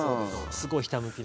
すごいひたむきな。